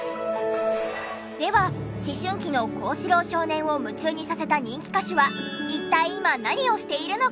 では思春期の幸四郎少年を夢中にさせた人気歌手は一体今何をしているのか？